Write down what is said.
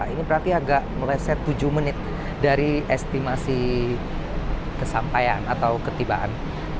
ini berarti agak meleset tujuh menit dari estimasi kesampaian atau ketibaan